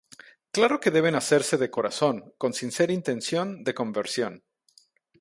Claro que deben hacerse de corazón, con sincera intención de conversión.